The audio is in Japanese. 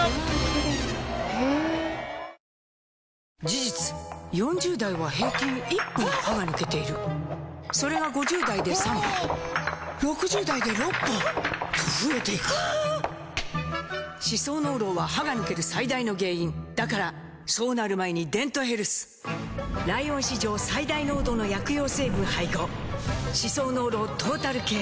事実４０代は平均１本歯が抜けているそれが５０代で３本６０代で６本と増えていく歯槽膿漏は歯が抜ける最大の原因だからそうなる前に「デントヘルス」ライオン史上最大濃度の薬用成分配合歯槽膿漏トータルケア！